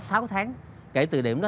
sáu tháng kể từ điểm đó